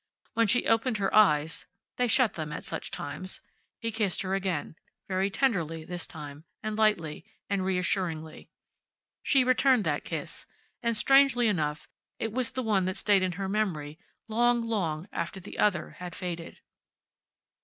When she opened her eyes (they shut them at such times) he kissed her again, very tenderly, this time, and lightly, and reassuringly. She returned that kiss, and, strangely enough, it was the one that stayed in her memory long, long after the other had faded.